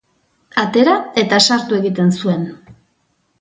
Atera eta sartu egiten zuen.